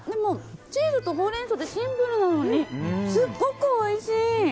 チーズとほうれん草ってシンプルなのにすっごくおいしい！